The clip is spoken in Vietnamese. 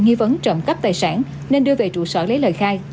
nghi vấn trộm cắp tài sản nên đưa về trụ sở lấy lời khai